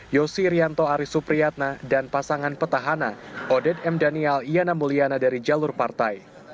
yosi rianto arisupriyatna dan pasangan petahana odet m daniel iyana mulyana dari jalur partai